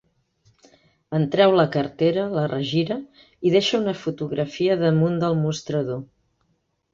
En treu la cartera, la regira i deixa una fotografia damunt del mostrador.